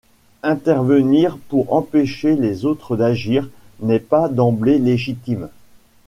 Intervenir pour empêcher les autres d'agir n'est pas d'emblée légitime.